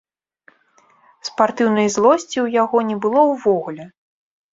Спартыўнай злосці ў яго не было ўвогуле.